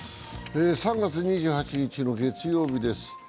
３月２８日の月曜日です。